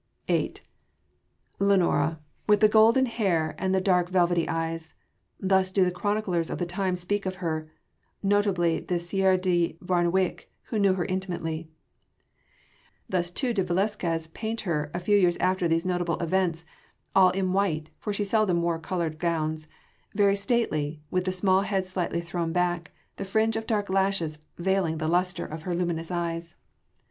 VIII Lenora with the golden hair and the dark velvety eyes! Thus do the chroniclers of the time speak of her (notably the Sieur de Vaernewyck who knew her intimately), thus too did Velasquez paint her, a few years after these notable events all in white, for she seldom wore coloured gowns very stately, with the small head slightly thrown back, the fringe of dark lashes veiling the lustre of her luminous eyes.